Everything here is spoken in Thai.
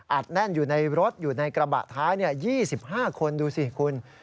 แน่นอยู่ในรถอยู่ในกระบะท้าย๒๕คนดูสิคุณ